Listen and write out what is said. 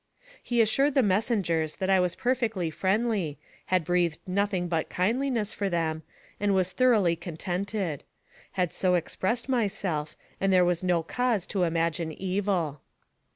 He assured the messengers that I was perfectly friendly, had breathed nothing but kindliness for them, and was thoroughly contented; had so expressed my self, and there was no cause to imagine evil.